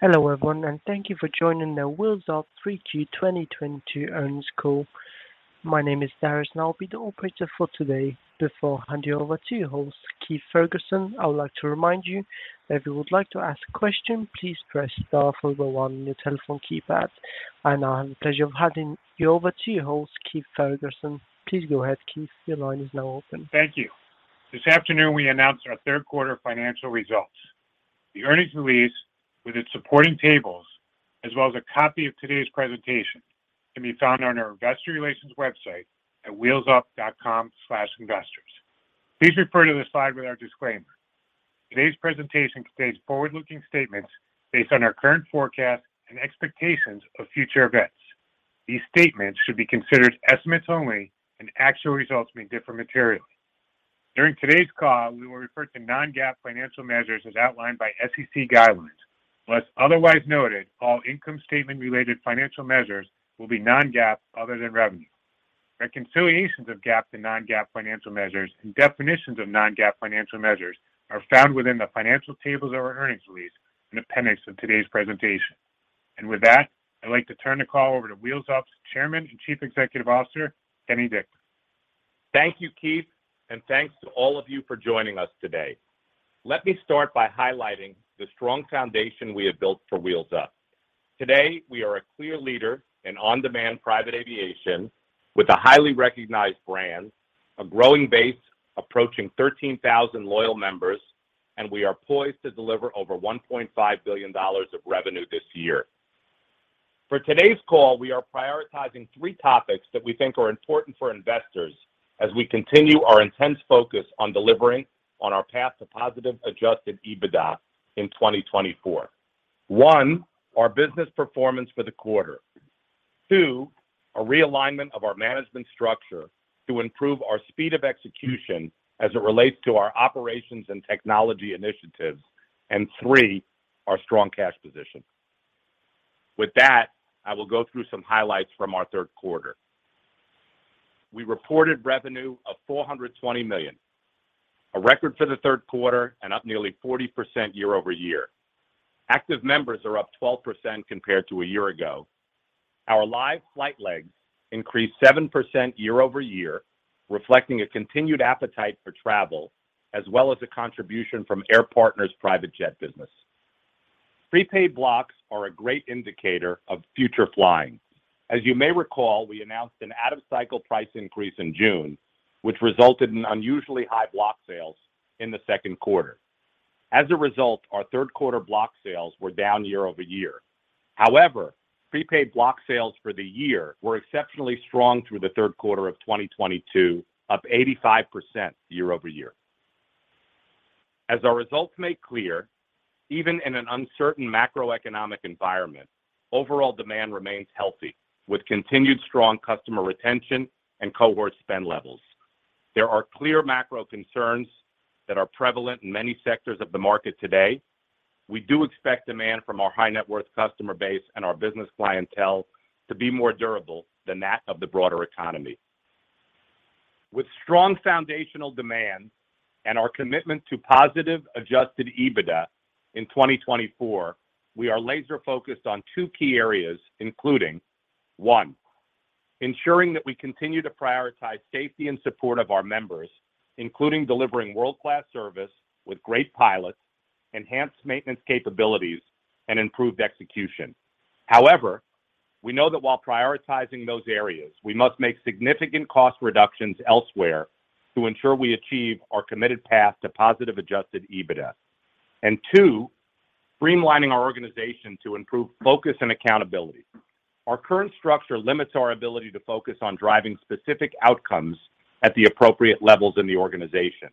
Hello everyone, and thank you for joining the Wheels Up Q3 2022 earnings call. My name is Darren, and I'll be the operator for today. Before handing over to your host, Keith Ferguson, I would like to remind you if you would like to ask a question, please press star 41 on your telephone keypad. I now have the pleasure of handing you over to your host, Keith Ferguson. Please go ahead, Keith. Your line is now open. Thank you. This afternoon we announced our Q3 financial results. The earnings release with its supporting tables, as well as a copy of today's presentation, can be found on our investor relations website at wheelsup.com/investors. Please refer to the slide with our disclaimer. Today's presentation contains forward-looking statements based on our current forecasts and expectations of future events. These statements should be considered estimates only, and actual results may differ materially. During today's call, we will refer to non-GAAP financial measures as outlined by SEC guidelines. Unless otherwise noted, all income statement related financial measures will be non-GAAP other than revenue. Reconciliations of GAAP to non-GAAP financial measures and definitions of non-GAAP financial measures are found within the financial tables of our earnings release in appendix of today's presentation. With that, I'd like to turn the call over to Wheels Up's Chairman and Chief Executive Officer, Kenny Dichter. Thank you, Keith. Thanks to all of you for joining us today. Let me start by highlighting the strong foundation we have built for Wheels Up. Today, we are a clear leader in on-demand private aviation with a highly recognized brand, a growing base approaching 13,000 loyal members, and we are poised to deliver over $1.5 billion of revenue this year. For today's call, we are prioritizing 3 topics that we think are important for investors as we continue our intense focus on delivering on our path to positive Adjusted EBITDA in 2024. One, our business performance for the quarter. 2, a realignment of our management structure to improve our speed of execution as it relates to our operations and technology initiatives. And 3, our strong cash position. With that, I will go through some highlights from our Q3. We reported revenue of $420 million, a record for the Q3 and up nearly 40% year-over-year. Active members are up 12% compared to a year ago. Our live flight legs increased 7% year-over-year, reflecting a continued appetite for travel as well as a contribution from Air Partner's private jet business. Prepaid blocks are a great indicator of future flying. As you may recall, we announced an out-of-cycle price increase in June, which resulted in unusually high block sales in the second quarter. As a result, our Q3 block sales were down year-over-year. However, prepaid block sales for the year were exceptionally strong through the Q3 of 2022, up 85% year-over-year. As our results make clear, even in an uncertain macroeconomic environment, overall demand remains healthy with continued strong customer retention and cohort spend levels. There are clear macro concerns that are prevalent in many sectors of the market today. We do expect demand from our high net worth customer base and our business clientele to be more durable than that of the broader economy. With strong foundational demand and our commitment to positive Adjusted EBITDA in 2024, we are laser focused on 2 key areas, including one, ensuring that we continue to prioritize safety and support of our members, including delivering world-class service with great pilots, enhanced maintenance capabilities and improved execution. However, we know that while prioritizing those areas, we must make significant cost reductions elsewhere to ensure we achieve our committed path to positive Adjusted EBITDA. 2, streamlining our organization to improve focus and accountability. Our current structure limits our ability to focus on driving specific outcomes at the appropriate levels in the organization.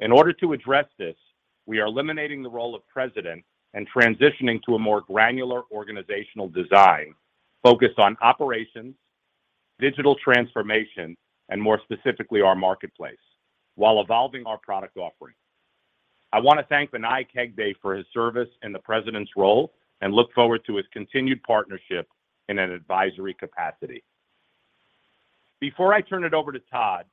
In order to address this, we are eliminating the role of president and transitioning to a more granular organizational design focused on operations, digital transformation and more specifically our marketplace, while evolving our product offering. I want to thank Vinayak Hegde for his service in the president's role and look forward to his continued partnership in an advisory capacity. Before I turn it over to Todd,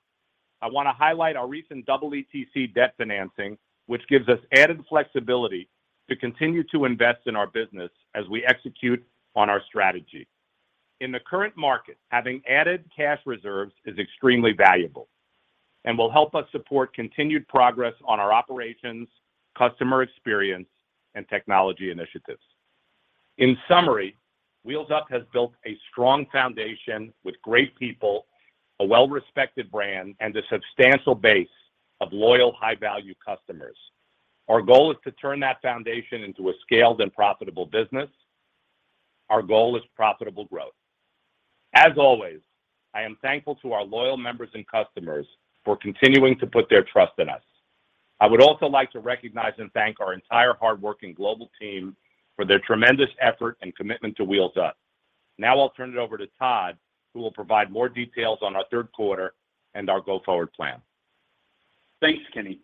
I want to highlight our recent double EETC debt financing, which gives us added flexibility to continue to invest in our business as we execute on our strategy. In the current market, having added cash reserves is extremely valuable and will help us support continued progress on our operations, customer experience and technology initiatives. In summary, Wheels Up has built a strong foundation with great people, a well-respected brand, and a substantial base of loyal, high value customers. Our goal is to turn that foundation into a scaled and profitable business. Our goal is profitable growth. As always, I am thankful to our loyal members and customers for continuing to put their trust in us. I would also like to recognize and thank our entire hardworking global team for their tremendous effort and commitment to Wheels Up. Now I'll turn it over to Todd, who will provide more details on our Q3 and our go-forward plan. Thanks, Kenny.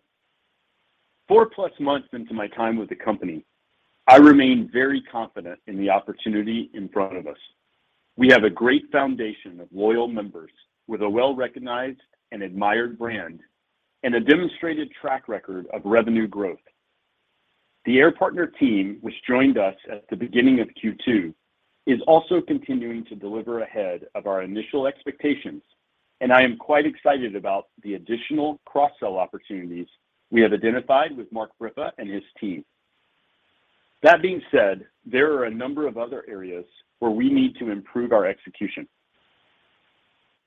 4+ months into my time with the company, I remain very confident in the opportunity in front of us. We have a great foundation of loyal members with a well-recognized and admired brand and a demonstrated track record of revenue growth. The Air Partner team, which joined us at the beginning of Q2, is also continuing to deliver ahead of our initial expectations, and I am quite excited about the additional cross-sell opportunities we have identified with Mark Briffa and his team. That being said, there are a number of other areas where we need to improve our execution.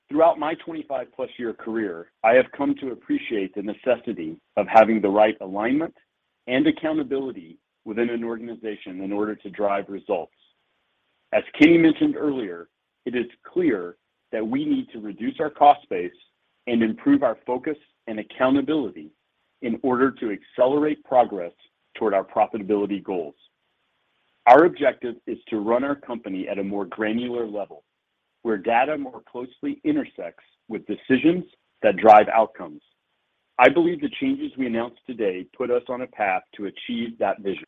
Throughout my 25+ year career, I have come to appreciate the necessity of having the right alignment and accountability within an organization in order to drive results. As Kenny mentioned earlier, it is clear that we need to reduce our cost base and improve our focus and accountability in order to accelerate progress toward our profitability goals. Our objective is to run our company at a more granular level, where data more closely intersects with decisions that drive outcomes. I believe the changes we announced today put us on a path to achieve that vision.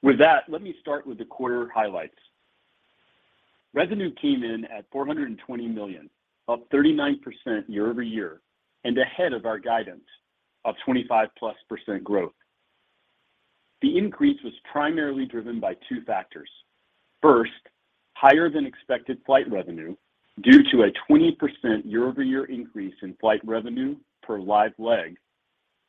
With that, let me start with the quarter highlights. Revenue came in at $420 million, up 39% year-over-year and ahead of our guidance of 25%+ growth. The increase was primarily driven by 2 factors. First, higher than expected flight revenue due to a 20% year-over-year increase in flight revenue per live leg,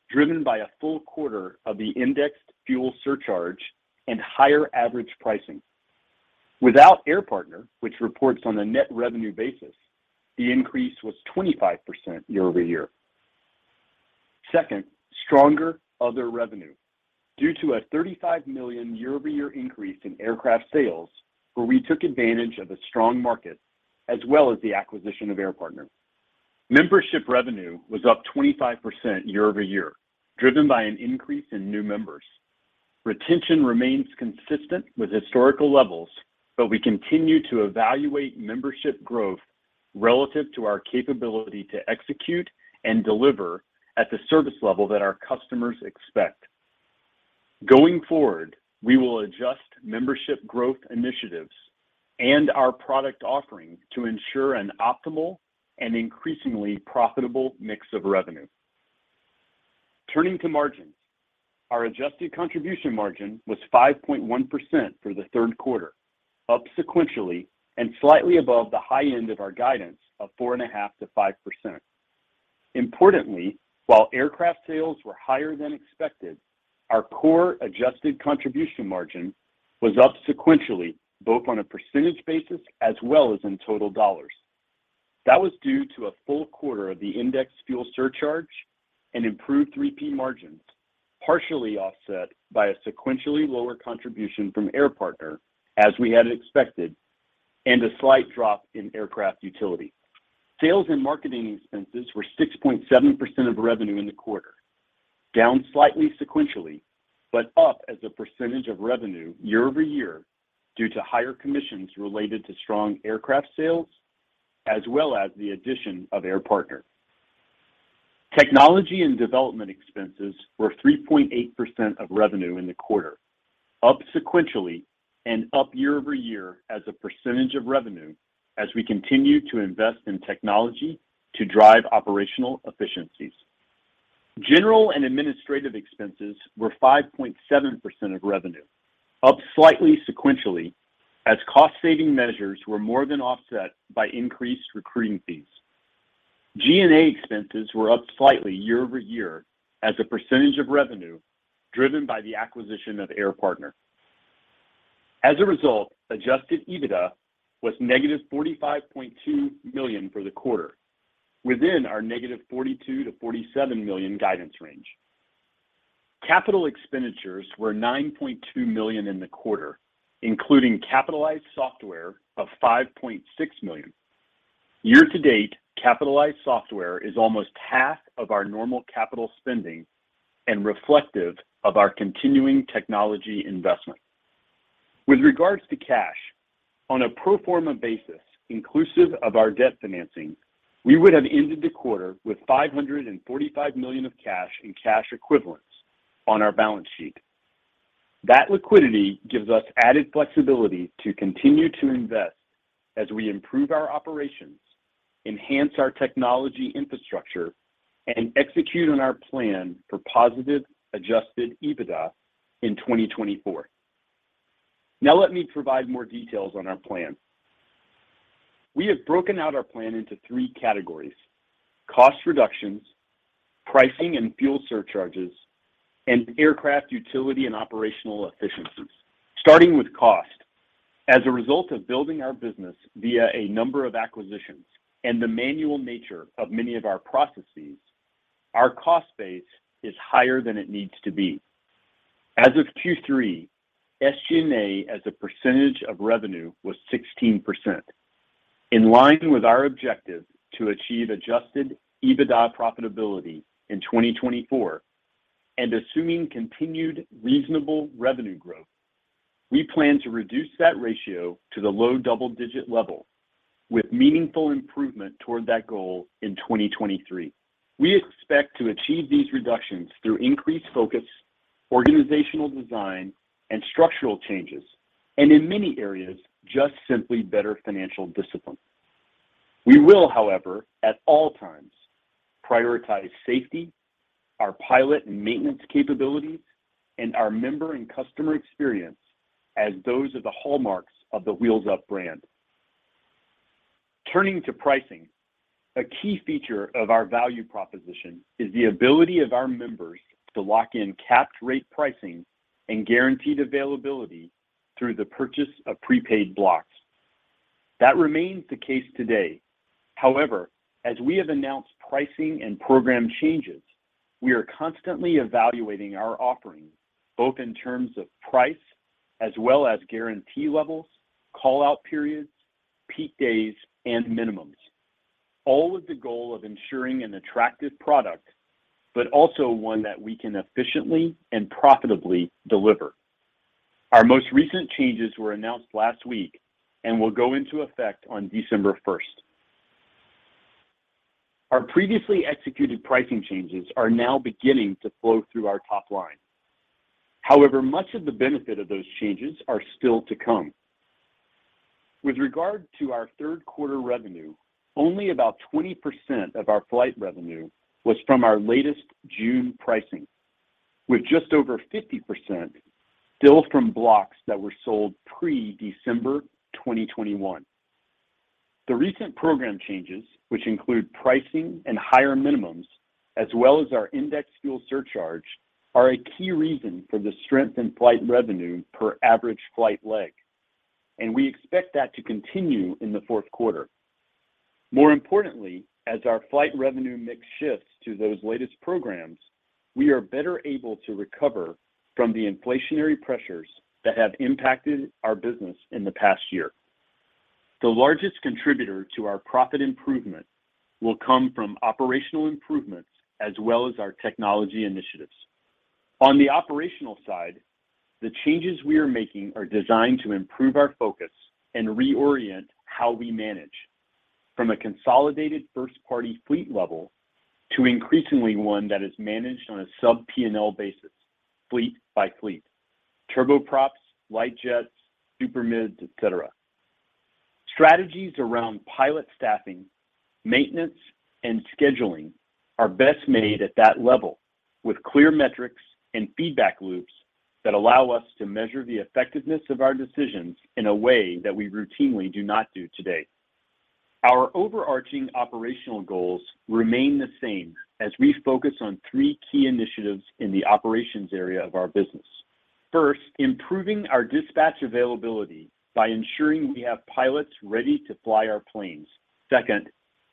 driven by a full quarter of the indexed fuel surcharge and higher average pricing. Without Air Partner, which reports on a net revenue basis, the increase was 25% year-over-year. Second, stronger other revenue due to a $35 million year-over-year increase in aircraft sales where we took advantage of a strong market as well as the acquisition of Air Partner. Membership revenue was up 25% year-over-year, driven by an increase in new members. Retention remains consistent with historical levels, but we continue to evaluate membership growth relative to our capability to execute and deliver at the service level that our customers expect. Going forward, we will adjust membership growth initiatives and our product offering to ensure an optimal and increasingly profitable mix of revenue. Turning to margins, our Adjusted Contribution Margin was 5.1% for the Q3, up sequentially and slightly above the high end of our guidance of 4.5%-5%. Importantly, while aircraft sales were higher than expected, our core Adjusted Contribution Margin was up sequentially, both on a percentage basis as well as in total dollars. That was due to a full quarter of the indexed fuel surcharge and improved 3P margins, partially offset by a sequentially lower contribution from Air Partner, as we had expected, and a slight drop in aircraft utility. Sales and marketing expenses were 6.7% of revenue in the quarter, down slightly sequentially, but up as a percentage of revenue year-over-year due to higher commissions related to strong aircraft sales, as well as the addition of Air Partner. Technology and development expenses were 3.8% of revenue in the quarter, up sequentially and up year-over-year as a percentage of revenue as we continue to invest in technology to drive operational efficiencies. General and administrative expenses were 5.7% of revenue, up slightly sequentially as cost saving measures were more than offset by increased recruiting fees. G&A expenses were up slightly year-over-year as a percentage of revenue driven by the acquisition of Air Partner. As a result, Adjusted EBITDA was -$45.2 million for the quarter within our -$42 million-$47 million guidance range. Capital expenditures were $9.2 million in the quarter, including capitalized software of $5.6 million. Year to date, capitalized software is almost half of our normal capital spending and reflective of our continuing technology investment. With regards to cash, on a pro forma basis, inclusive of our debt financing, we would have ended the quarter with $545 million of cash in cash equivalents on our balance sheet. That liquidity gives us added flexibility to continue to invest as we improve our operations, enhance our technology infrastructure, and execute on our plan for positive Adjusted EBITDA in 2024. Now let me provide more details on our plan. We have broken out our plan into 3 categories, cost reductions, pricing and fuel surcharges, and aircraft utility and operational efficiencies. Starting with cost, as a result of building our business via a number of acquisitions and the manual nature of many of our processes, our cost base is higher than it needs to be. As of Q3, SG&A as a percentage of revenue was 16%. In line with our objective to achieve Adjusted EBITDA profitability in 2024 and assuming continued reasonable revenue growth, we plan to reduce that ratio to the low double-digit level. With meaningful improvement toward that goal in 2023. We expect to achieve these reductions through increased focus, organizational design, and structural changes, and in many areas, just simply better financial discipline. We will, however, at all times, prioritize safety, our pilot and maintenance capabilities, and our member and customer experience as those are the hallmarks of the Wheels Up brand. Turning to pricing, a key feature of our value proposition is the ability of our members to lock in capped-rate pricing and guaranteed availability through the purchase of prepaid blocks. That remains the case today. However, as we have announced pricing and program changes, we are constantly evaluating our offerings, both in terms of price as well as guarantee levels, call-out periods, peak days, and minimums, all with the goal of ensuring an attractive product, but also one that we can efficiently and profitably deliver. Our most recent changes were announced last week and will go into effect on December 1. Our previously executed pricing changes are now beginning to flow through our top line. However, much of the benefit of those changes are still to come. With regard to our Q3 revenue, only about 20% of our flight revenue was from our latest June pricing, with just over 50% still from blocks that were sold pre-December 2021. The recent program changes, which include pricing and higher minimums, as well as our index fuel surcharge, are a key reason for the strength in flight revenue per average flight leg, and we expect that to continue in the Q4. More importantly, as our flight revenue mix shifts to those latest programs, we are better able to recover from the inflationary pressures that have impacted our business in the past year. The largest contributor to our profit improvement will come from operational improvements as well as our technology initiatives. On the operational side, the changes we are making are designed to improve our focus and reorient how we manage from a consolidated first-party fleet level to increasingly one that is managed on a sub-P&L basis, fleet by fleet, turboprops, light jets, super mids, et cetera. Strategies around pilot staffing, maintenance, and scheduling are best made at that level with clear metrics and feedback loops that allow us to measure the effectiveness of our decisions in a way that we routinely do not do today. Our overarching operational goals remain the same as we focus on 3 key initiatives in the operations area of our business. First, improving our dispatch availability by ensuring we have pilots ready to fly our planes. Second,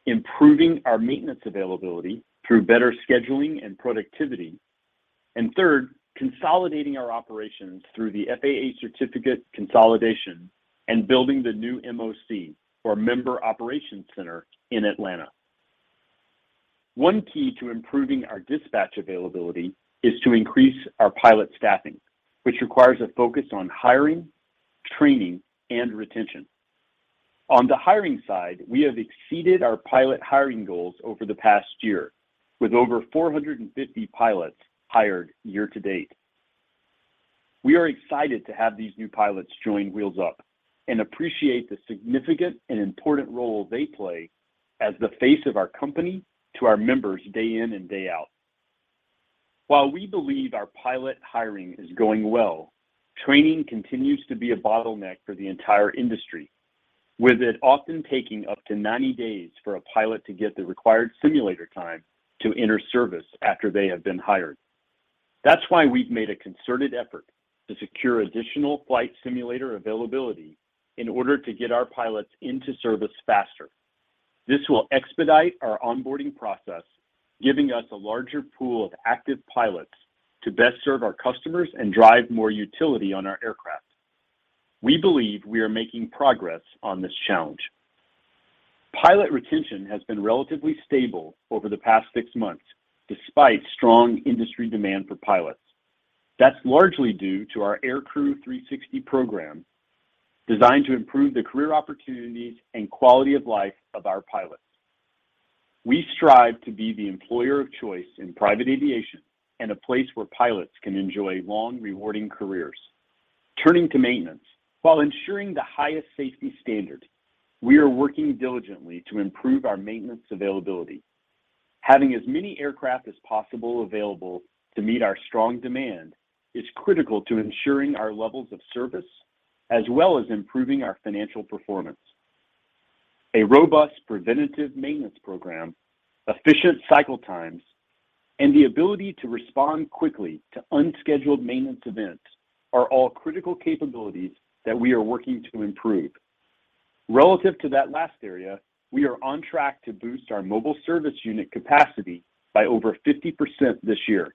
improving our maintenance availability through better scheduling and productivity. Third, consolidating our operations through the FAA certificate consolidation and building the new MOC, or Member Operations Center, in Atlanta. One key to improving our dispatch availability is to increase our pilot staffing, which requires a focus on hiring, training, and retention. On the hiring side, we have exceeded our pilot hiring goals over the past year, with over 450 pilots hired year to date. We are excited to have these new pilots join Wheels Up and appreciate the significant and important role they play as the face of our company to our members day in and day out. While we believe our pilot hiring is going well, training continues to be a bottleneck for the entire industry, with it often taking up to 90 days for a pilot to get the required simulator time to enter service after they have been hired. That's why we've made a concerted effort to secure additional flight simulator availability in order to get our pilots into service faster. This will expedite our onboarding process, giving us a larger pool of active pilots to best serve our customers and drive more utility on our aircraft. We believe we are making progress on this challenge. Pilot retention has been relatively stable over the past 6 months, despite strong industry demand for pilots. That's largely due to our Aircrew 360 program, designed to improve the career opportunities and quality of life of our pilots. We strive to be the employer of choice in private aviation and a place where pilots can enjoy long, rewarding careers. Turning to maintenance, while ensuring the highest safety standard, we are working diligently to improve our maintenance availability. Having as many aircraft as possible available to meet our strong demand is critical to ensuring our levels of service as well as improving our financial performance. A robust preventative maintenance program, efficient cycle times, and the ability to respond quickly to unscheduled maintenance events are all critical capabilities that we are working to improve. Relative to that last area, we are on track to boost our mobile service unit capacity by over 50% this year,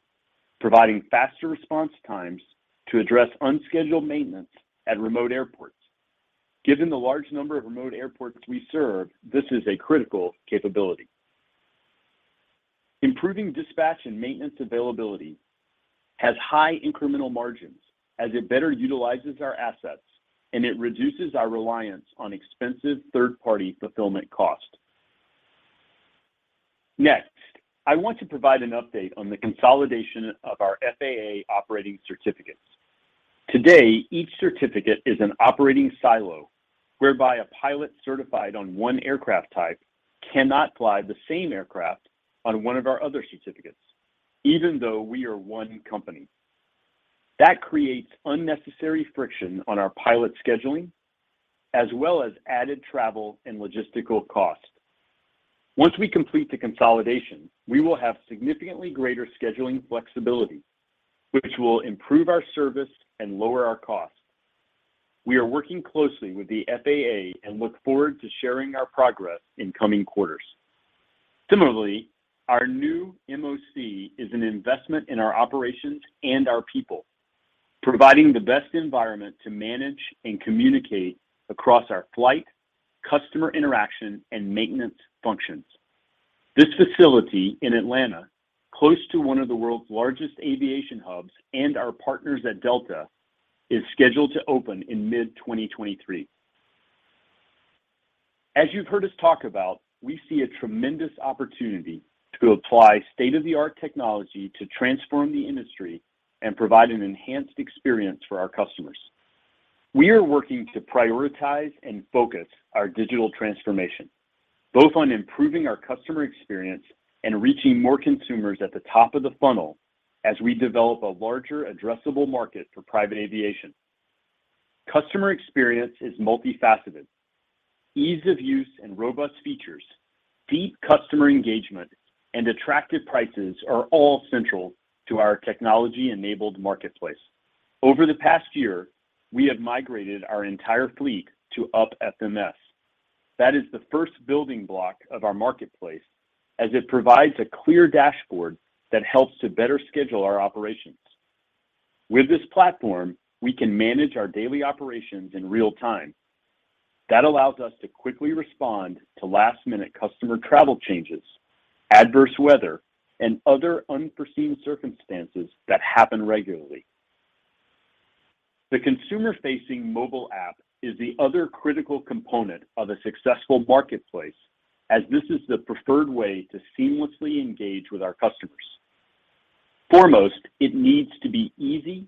providing faster response times to address unscheduled maintenance at remote airports. Given the large number of remote airports we serve, this is a critical capability. Improving dispatch and maintenance availability has high incremental margins as it better utilizes our assets, and it reduces our reliance on expensive third-party fulfillment costs. Next, I want to provide an update on the consolidation of our FAA operating certificates. Today, each certificate is an operating silo whereby a pilot certified on one aircraft type cannot fly the same aircraft on one of our other certificates, even though we are one company. That creates unnecessary friction on our pilot scheduling, as well as added travel and logistical costs. Once we complete the consolidation, we will have significantly greater scheduling flexibility, which will improve our service and lower our costs. We are working closely with the FAA and look forward to sharing our progress in coming quarters. Similarly, our new MOC is an investment in our operations and our people, providing the best environment to manage and communicate across our flight, customer interaction, and maintenance functions. This facility in Atlanta, close to one of the world's largest aviation hubs and our partners at Delta, is scheduled to open in mid-2023. As you've heard us talk about, we see a tremendous opportunity to apply state-of-the-art technology to transform the industry and provide an enhanced experience for our customers. We are working to prioritize and focus our digital transformation, both on improving our customer experience and reaching more consumers at the top of the funnel as we develop a larger addressable market for private aviation. Customer experience is multifaceted. Ease of use and robust features, deep customer engagement, and attractive prices are all central to our technology-enabled marketplace. Over the past year, we have migrated our entire fleet to UP FMS. That is the first building block of our marketplace as it provides a clear dashboard that helps to better schedule our operations. With this platform, we can manage our daily operations in real time. That allows us to quickly respond to last-minute customer travel changes, adverse weather, and other unforeseen circumstances that happen regularly. The consumer-facing mobile app is the other critical component of a successful marketplace as this is the preferred way to seamlessly engage with our customers. Foremost, it needs to be easy,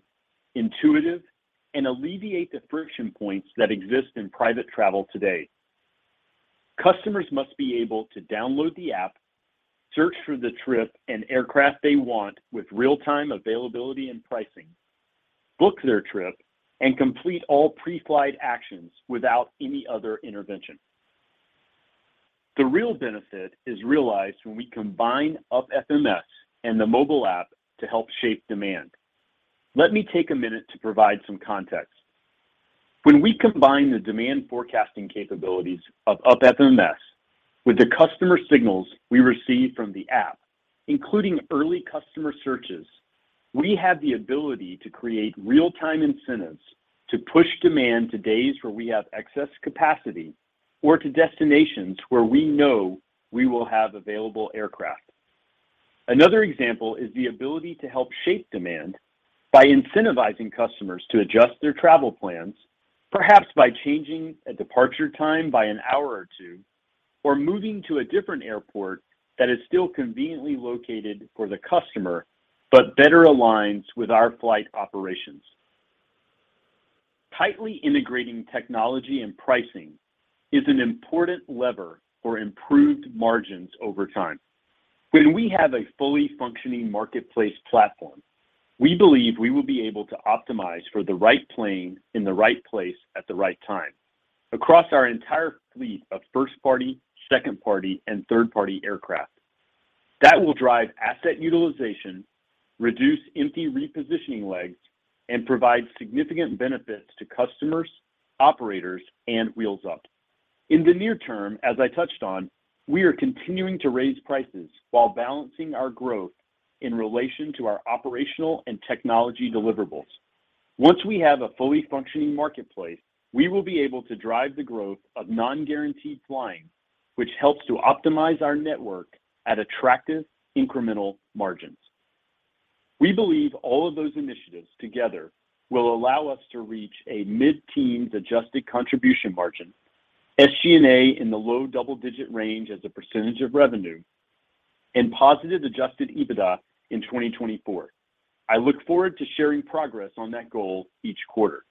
intuitive, and alleviate the friction points that exist in private travel today. Customers must be able to download the app, search for the trip and aircraft they want with real-time availability and pricing, book their trip, and complete all pre-flight actions without any other intervention. The real benefit is realized when we combine UP FMS and the mobile app to help shape demand. Let me take a minute to provide some context. When we combine the demand forecasting capabilities of UP FMS with the customer signals we receive from the app, including early customer searches, we have the ability to create real-time incentives to push demand to days where we have excess capacity or to destinations where we know we will have available aircraft. Another example is the ability to help shape demand by incentivizing customers to adjust their travel plans, perhaps by changing a departure time by an hour or 2, or moving to a different airport that is still conveniently located for the customer, but better aligns with our flight operations. Tightly integrating technology and pricing is an important lever for improved margins over time. When we have a fully functioning marketplace platform, we believe we will be able to optimize for the right plane in the right place at the right time across our entire fleet of first-party, second-party, and third-party aircraft. That will drive asset utilization, reduce empty repositioning legs, and provide significant benefits to customers, operators, and Wheels Up. In the near term, as I touched on, we are continuing to raise prices while balancing our growth in relation to our operational and technology deliverables. Once we have a fully functioning marketplace, we will be able to drive the growth of non-guaranteed flying, which helps to optimize our network at attractive incremental margins. We believe all of those initiatives together will allow us to reach a mid-teens% adjusted contribution margin, SG&A in the low double-digit% range as a percentage of revenue, and positive adjusted EBITDA in 2024. I look forward to sharing progress on that goal each quarter.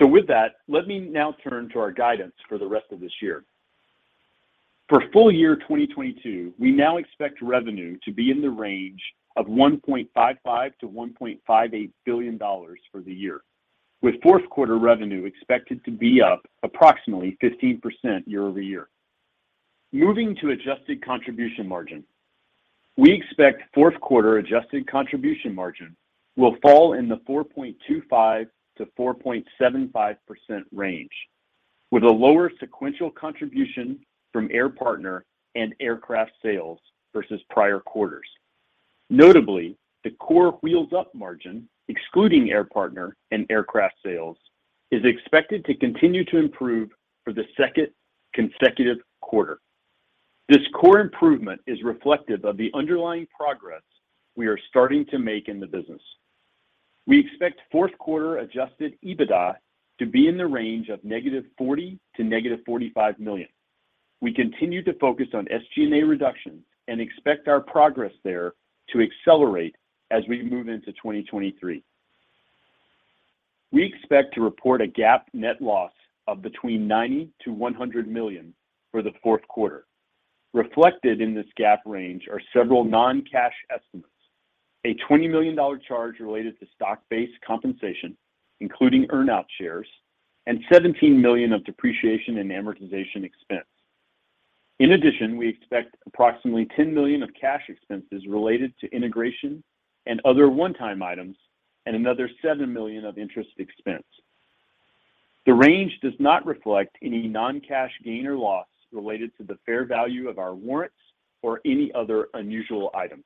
With that, let me now turn to our guidance for the rest of this year. For full year 2022, we now expect revenue to be in the range of $1.55 billion-$1.58 billion for the year, with Q4 revenue expected to be up approximately 15% year-over-year. Moving to Adjusted Contribution Margin, we expect Q4 Adjusted Contribution Margin will fall in the 4.25%-4.75% range, with a lower sequential contribution from Air Partner and aircraft sales versus prior quarters. Notably, the core Wheels Up margin, excluding Air Partner and aircraft sales, is expected to continue to improve for the second consecutive quarter. This core improvement is reflective of the underlying progress we are starting to make in the business. We expect Q4 Adjusted EBITDA to be in the range of -$40 million-$45 million. We continue to focus on SG&A reductions and expect our progress there to accelerate as we move into 2023. We expect to report a GAAP net loss of between $90 million-$100 million for the Q4. Reflected in this GAAP range are several non-cash estimates, a $20 million charge related to stock-based compensation, including earn-out shares, and $17 million of depreciation and amortization expense. In addition, we expect approximately $10 million of cash expenses related to integration and other one-time items and another $7 million of interest expense. The range does not reflect any non-cash gain or loss related to the fair value of our warrants or any other unusual items.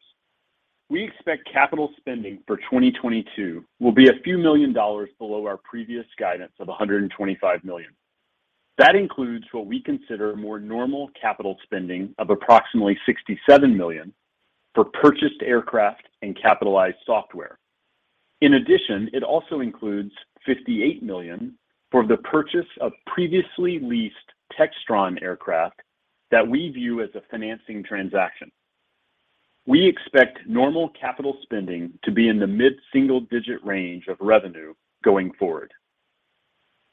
We expect capital spending for 2022 will be $a few million below our previous guidance of $125 million. That includes what we consider more normal capital spending of approximately $67 million for purchased aircraft and capitalized software. In addition, it also includes $58 million for the purchase of previously leased Textron aircraft that we view as a financing transaction. We expect normal capital spending to be in the mid-single-digit range of revenue going forward.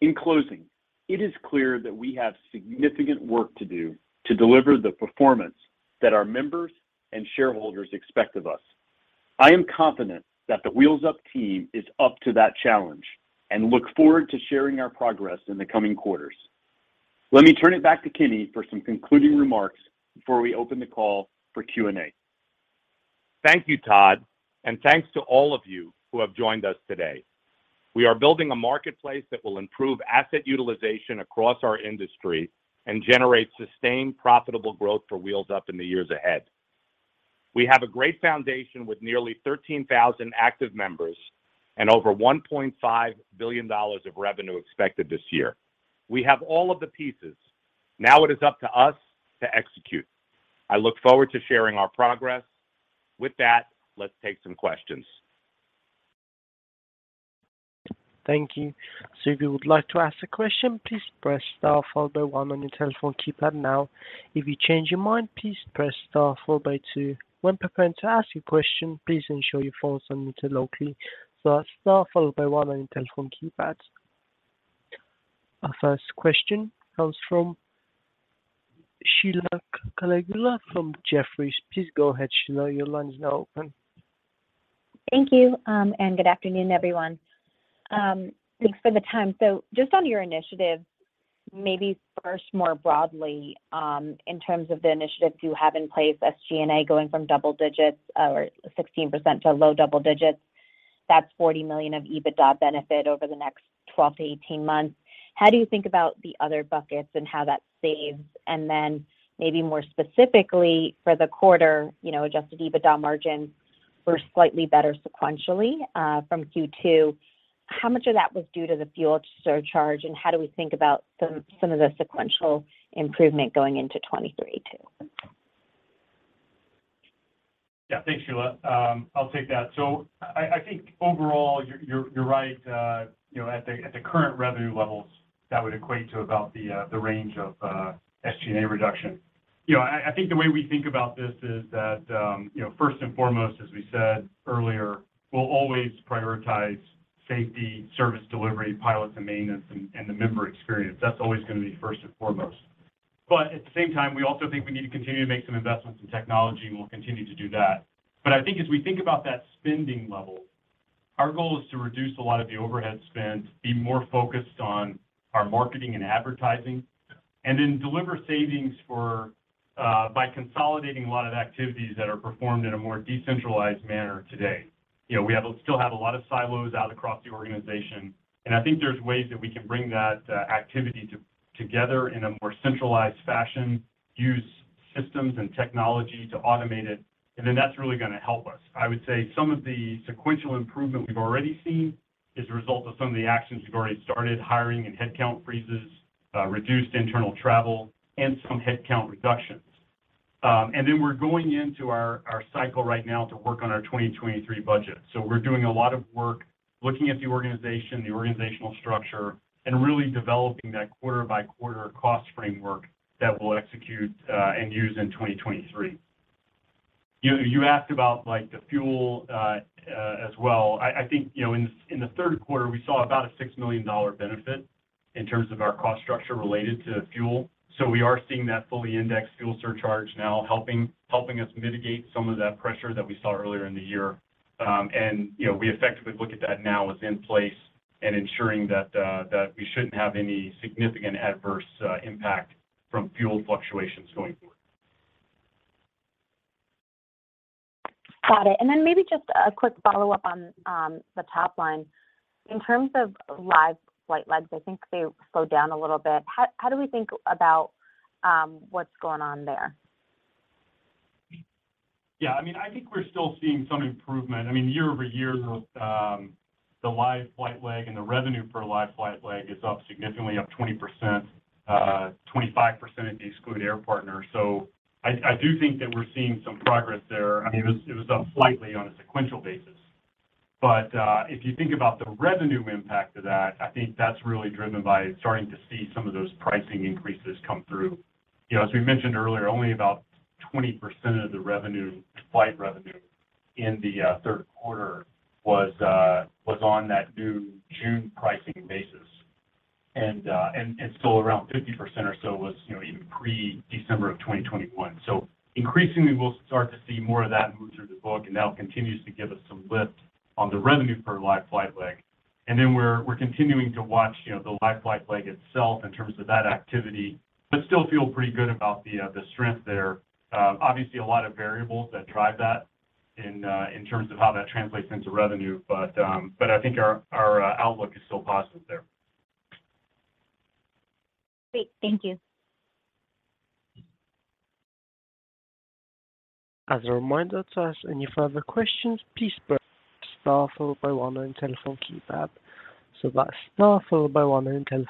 In closing, it is clear that we have significant work to do to deliver the performance that our members and shareholders expect of us. I am confident that the Wheels Up team is up to that challenge and look forward to sharing our progress in the coming quarters. Let me turn it back to Kenny for some concluding remarks before we open the call for Q&A. Thank you, Todd, and thanks to all of you who have joined us today. We are building a marketplace that will improve asset utilization across our industry and generate sustained, profitable growth for Wheels Up in the years ahead. We have a great foundation with nearly 13,000 active members and over $1.5 billion of revenue expected this year. We have all of the pieces. Now it is up to us to execute. I look forward to sharing our progress. With that, let's take some questions. Thank you. If you would like to ask a question, please press star followed by one on your telephone keypad now. If you change your mind, please press star followed by 2. When preparing to ask your question, please ensure your phone is on mute locally. That's star followed by one on your telephone keypad. Our first question comes from Sheila Kahyaoglu from Jefferies. Please go ahead, Sheila. Your line is now open. Thank you, and good afternoon, everyone. Thanks for the time. Just on your initiative, maybe first more broadly, in terms of the initiatives you have in place, SG&A going from double digits or 16% to low double digits. That's $40 million of Adjusted EBITDA benefit over the next 12-18 months. How do you think about the other buckets and how that saves? Then maybe more specifically for the quarter, you know, Adjusted EBITDA margins were slightly better sequentially from Q2. How much of that was due to the fuel surcharge, and how do we think about some of the sequential improvement going into 2023 too? Yeah. Thanks, Sheila. I'll take that. I think overall you're right. You know, at the current revenue levels, that would equate to about the range of SG&A reduction. You know, I think the way we think about this is that, you know, first and foremost, as we said earlier, we'll always prioritize safety, service delivery, pilots and maintenance, and the member experience. That's always gonna be first and foremost. At the same time, we also think we need to continue to make some investments in technology, and we'll continue to do that. I think as we think about that spending level, our goal is to reduce a lot of the overhead spend, be more focused on our marketing and advertising, and then deliver savings for, by consolidating a lot of activities that are performed in a more decentralized manner today. You know, we still have a lot of silos out across the organization, and I think there's ways that we can bring that activity together in a more centralized fashion, use systems and technology to automate it, and then that's really gonna help us. I would say some of the sequential improvement we've already seen is a result of some of the actions we've already started, hiring and headcount freezes, reduced internal travel and some headcount reductions. We're going into our cycle right now to work on our 2023 budget. We're doing a lot of work looking at the organization, the organizational structure, and really developing that quarter-by-quarter cost framework that we'll execute and use in 2023. You asked about, like, the fuel as well. I think, you know, in the Q3, we saw about a $6 million benefit in terms of our cost structure related to fuel. We are seeing that fully indexed fuel surcharge now helping us mitigate some of that pressure that we saw earlier in the year. You know, we effectively look at that now as in place and ensuring that we shouldn't have any significant adverse impact from fuel fluctuations going forward. Got it. Maybe just a quick follow-up on the top line. In terms of live flight legs, I think they slowed down a little bit. How do we think about what's going on there? Yeah, I mean, I think we're still seeing some improvement. I mean, year-over-year, the live flight leg and the revenue per live flight leg is up significantly, up 20%, 25% if you exclude Air Partner. I do think that we're seeing some progress there. I mean, it was up slightly on a sequential basis. If you think about the revenue impact of that, I think that's really driven by starting to see some of those pricing increases come through. You know, as we mentioned earlier, only about 20% of the revenue, flight revenue in the Q3 was on that new June pricing basis. And so around 50% or so was, you know, even pre-December of 2021. Increasingly, we'll start to see more of that move through the book, and continues to give us some lift on the revenue per live flight leg. Then we're continuing to watch, you know, the live flight leg itself in terms of that activity, but still feel pretty good about the strength there. Obviously a lot of variables that drive that in terms of how that translates into revenue. I think our outlook is still positive there. Great. Thank you. As a reminder to ask any further questions, please press star followed by one on your telephone keypad. That's star followed by one on your telephone.